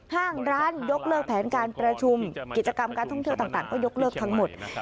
ห้างร้านยกเลิกแผนการประชุมกิจกรรมการท่องเที่ยวต่างก็ยกเลิกทั้งหมด